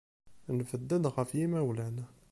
Nebded ɣer yimawlan.